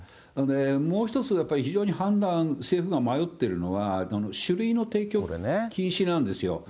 もう一つ、やっぱり非常に判断、政府が迷ってるのは、酒類の提供禁止なんですよ。